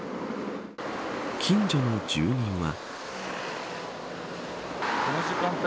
近所の住民は。